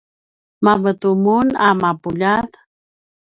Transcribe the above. mavetu mun a mapuljat?